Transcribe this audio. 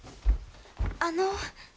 あの。